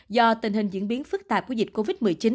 do tình hình diễn biến phức tạp của dịch covid một mươi chín